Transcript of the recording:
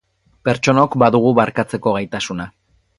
Pertsonok badugu barkatzeko gaitasuna.